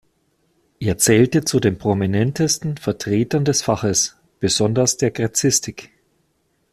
Er zählte zu den prominentesten Vertretern des Faches, besonders der Gräzistik.